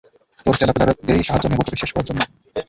তোর চ্যালাপেলাদেরই সাহায্য নেবো তোকে শেষ করার জন্য!